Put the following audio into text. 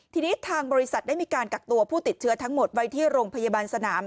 ทีนี้ทางบริษัทได้มีการกักตัวผู้ติดเชื้อทั้งหมดไว้ที่โรงพยาบาลสนาม